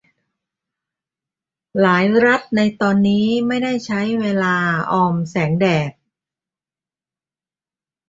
หลายรัฐในตอนนี้ไม่ได้ใช้เวลาออมแสงแดด